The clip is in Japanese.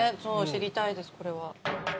知りたいです、これは。